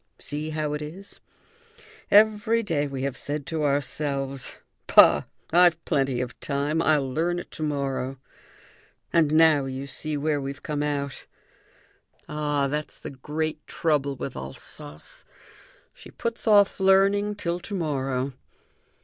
See how it is! Every day we have said to ourselves: 'Bah! I've plenty of time. I'll learn it to morrow.' And now you see where we've come out. Ah, that's the great trouble with Alsace; she puts off learning till to morrow.